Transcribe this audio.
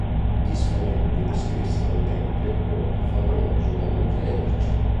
Gli spagnoli descrissero il tempio come "favoloso da non crederci".